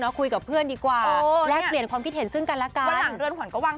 น้องคุยกับเพื่อนดีกว่ารายเปลี่ยนความคิดเห็นซึ่งกันละการนานเหรอหวังก็วาง